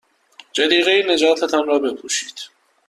جلیقههای نجات تان را بپوشید.